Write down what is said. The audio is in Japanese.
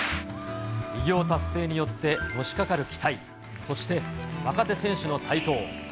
偉業達成によってのしかかる期待、そして若手選手の台頭。